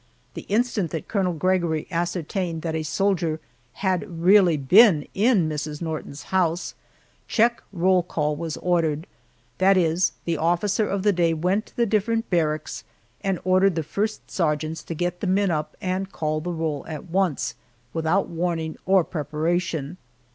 The instant that Colonel Gregory ascertained that a soldier had really been in Mrs. Norton's house, check roll call was ordered that is, the officer of the day went to the different barracks and ordered the first sergeants to get the men up and call the roll at once, without warning or preparation.